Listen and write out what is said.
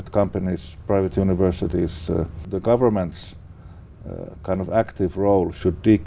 khoảng hai tuần trước